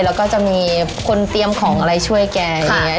แล้วก็จะมีคนเตรียมของอะไรช่วยแกอย่างนี้